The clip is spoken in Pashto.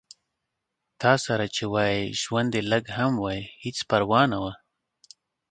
تاسره چې وای ژوند دې لږ هم وای هېڅ پرواه نه وه